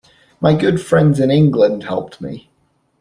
My good friends in England helped me.